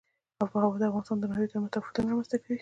آب وهوا د افغانستان د ناحیو ترمنځ تفاوتونه رامنځ ته کوي.